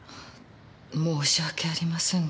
申し訳ありませんが。